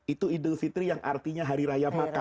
itu idul fitri yang artinya hari raya makan